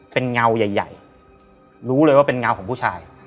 เป็นเงาใหญ่รู้เลยว่าเป็นเงาของผู้ชาย